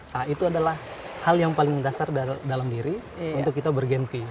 nah itu adalah hal yang paling dasar dalam diri untuk kita bergensi